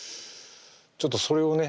ちょっとそれをね